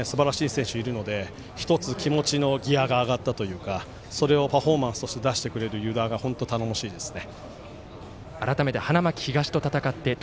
佐々木麟太郎君含めすばらしい選手いるので１つ気持ちのギヤが上がったというかそれをパフォーマンスとして出してくれる湯田が本当に頼もしいですね。